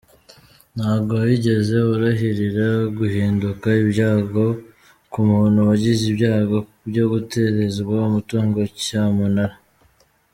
Ntabwo wigeze urahirira guhinduka ibyago ku muntu wagize ibyago byo guterezwa umutungo cyamunara.’’